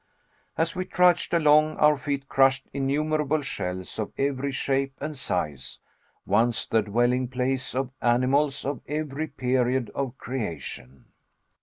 As we trudged along, our feet crushed innumerable shells of every shape and size once the dwelling place of animals of every period of creation.